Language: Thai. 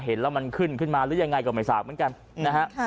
เห็นแล้วมันขึ้นขึ้นมาหรือยังไงก็ไม่ทราบเหมือนกันนะฮะ